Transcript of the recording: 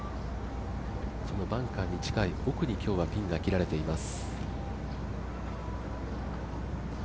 そのバンカーに近い奥に今日はピンが切られています。